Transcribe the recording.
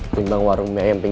berimbang warung meah yang pengen